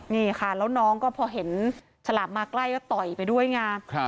นี่ค่ะแล้วน้องก็พอเห็นฉลามมาใกล้ก็ต่อยไปด้วยไง